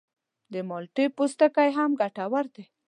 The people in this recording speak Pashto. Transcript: د مالټې پوستکی هم ګټور دی.